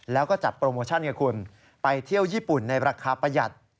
แล้วก็จัดโปรโมชั่นไงคุณไปเที่ยวญี่ปุ่นในราคาประหยัด